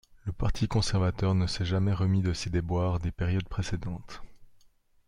Le Parti conservateur ne s'est jamais remis de ses déboires des périodes précédentes.